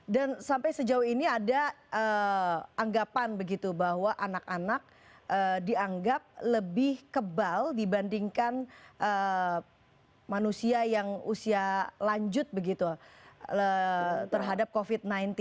dan sampai sejauh ini ada anggapan begitu bahwa anak anak dianggap lebih kebal dibandingkan manusia yang usia lanjut begitu terhadap covid sembilan belas